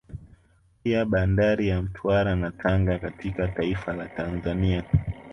Pia Bandari ya Mtwara na Tanga katika taifa la Tanzania